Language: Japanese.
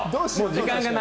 時間がない。